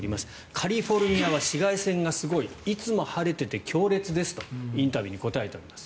カリフォルニアは紫外線がすごい。いつも晴れてて強烈ですとインタビューに答えています。